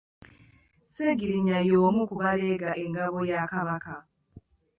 Ssegiriinya y'omu ku baleega engabo ya Kabaka.